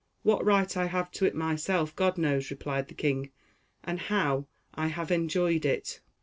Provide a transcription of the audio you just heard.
"What right I have to it myself, God knows," replied the king, "and how I have enjoyed it."